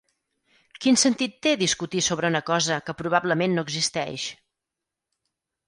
Quin sentit té discutir sobre una cosa que probablement no existeix?